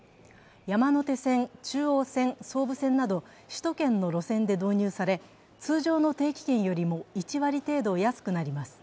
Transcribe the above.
山手線、中央線、総武線など首都圏の路線で導入され、通常の定期券よりも１割程度安くなります。